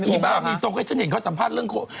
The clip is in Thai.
มีทรงจะให้ฉันเห็นเขาสัมภาษณ์เรื่องโค้ก